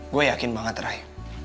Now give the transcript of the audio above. gue yakin banget ray